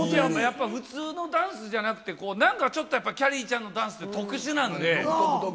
いや、やっぱり普通のダンスじゃなくて、なんかちょっとやっぱ、きゃりーちゃんのダンスって特殊なんで。